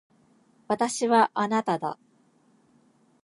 私はあなただ。